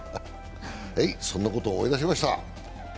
そんなことを思い出しました。